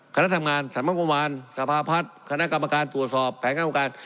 คณะทำงานสถาปันประมาณสภาพัฒน์คณะกรรมการตรวจสอบแผงกรรมการ